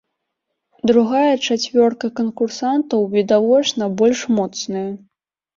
Другая чацвёрка канкурсантаў, відавочна, больш моцная.